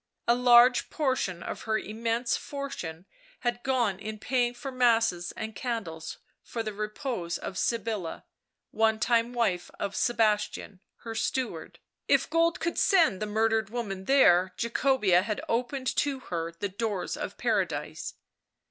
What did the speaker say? A large portion of her immense fortune had gone in paying for masses and candles for the repose of Sybilla, one time wife of Sebastian, her steward; if gold could send the murdered woman there Jacobea had opened to her the doors of Paradise.